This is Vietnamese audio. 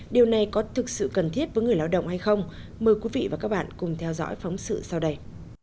điều này có thực sự cần thiết với người lao động hay không mời quý vị và các bạn cùng theo dõi phóng sự sau đây